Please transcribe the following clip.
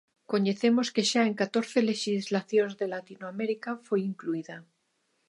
Coñecemos que xa en catorce lexislacións de Latinoamérica foi incluída.